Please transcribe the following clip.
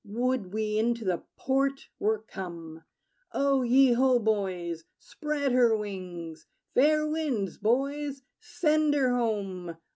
Would we into the port were come! O ye ho, boys! Spread her wings! Fair winds, boys: send her home!